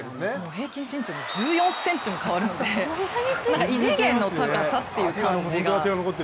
平均身長で１４ｃｍも変わるので異次元の高さっていう感じが。